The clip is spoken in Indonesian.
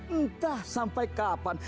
entah sampai kapan